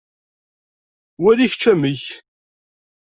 Wali kečč amek.